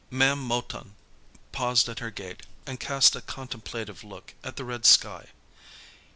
Ma'am Mouton paused at her gate and cast a contemplative look at the red sky.